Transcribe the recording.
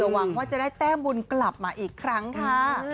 หวังว่าจะได้แต้มบุญกลับมาอีกครั้งค่ะ